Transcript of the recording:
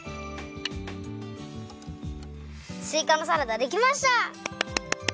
すいかのサラダできました！